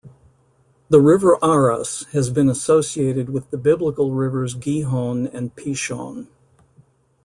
The river Aras has been associated with the biblical rivers Gihon and Pishon.